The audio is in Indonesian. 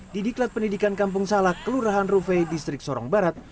didiklat pendidikan kampung salak kelurahan rufai distrik sorong barat